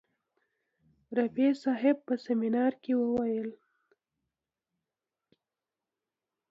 رفیع صاحب په سیمینار کې وویل.